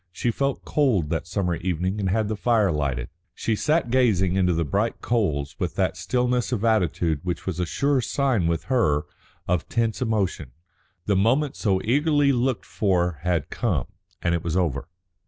She felt cold that summer evening and had the fire lighted. She sat gazing into the bright coals with that stillness of attitude which was a sure sign with her of tense emotion. The moment so eagerly looked for had come, and it was over.